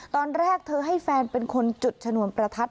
ตอนแรกเธอให้แฟนเป็นคนจุดชนวนประทัด